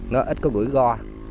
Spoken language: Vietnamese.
nó ít có gũi go